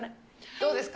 どうですか？